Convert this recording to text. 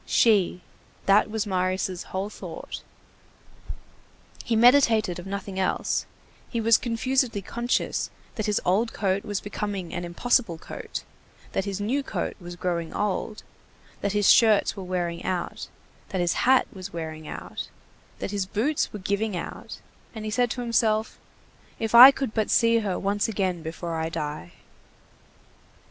She—that was Marius' whole thought. He meditated of nothing else; he was confusedly conscious that his old coat was becoming an impossible coat, and that his new coat was growing old, that his shirts were wearing out, that his hat was wearing out, that his boots were giving out, and he said to himself: "If I could but see her once again before I die!"